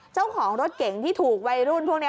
เจ้าของรถเก๋งที่ถูกวัยรุ่นพวกนี้